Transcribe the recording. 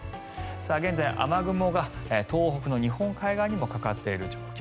現在、雨雲が東北の日本海側にもかかっている状況。